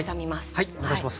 はいお願いします。